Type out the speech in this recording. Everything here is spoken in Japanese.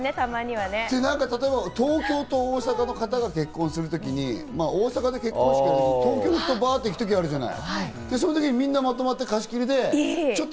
例えば東京と大阪の方が結婚する時に、大阪で結婚式をやると東京からバっと行くことあるじゃない。